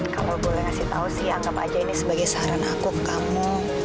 kalau boleh ngasih tau sih anggap aja ini sebagai saran aku ke kamu